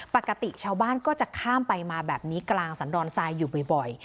ปกติชาวบ้านก็จะข้ามไปมาแบบนี้กลางสันดอนทรายอยู่บ่อย